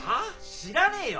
知らねえよ